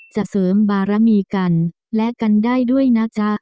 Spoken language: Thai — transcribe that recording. เสริมบารมีกันและกันได้ด้วยนะจ๊ะ